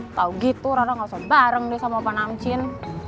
atau gitu rana gak usah bareng deh sama pak namcin